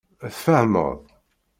Tfehmeḍ.